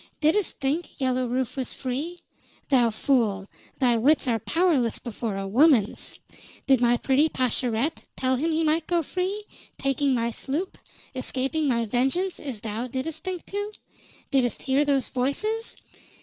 "Didst think Yellow Rufe was free? Thou fool! Thy wits are powerless before a woman's. Did my pretty Pascherette tell him he might go free, taking my sloop, escaping my vengeance, as thou didst think to? Didst hear those voices?